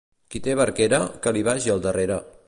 Qui té barquera, que li vagi al darrere.